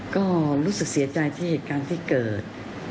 ก็รู้สึกเสียใจที่เหตุการณ์ที่เกิด